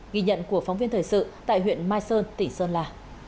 ghi nhận của phóng viên thời sự tại huyện mai sơn tỉnh sơn la